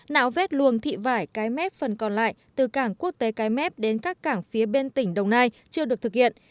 nạo vét luồng thị vải cái mép phần còn lại từ cảng quốc tế cái mép đến các cảng phía bên tỉnh đồng nai chưa được thực hiện